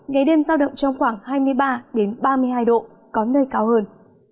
ngày đêm giao động trong khoảng hai mươi ba ba mươi hai độ có nơi cao hơn